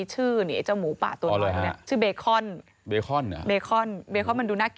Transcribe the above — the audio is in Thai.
ชื่อเป็นมงคลมาก